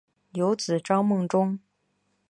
有子张孟中。